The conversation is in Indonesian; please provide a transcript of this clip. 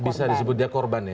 bisa disebut dia korban ya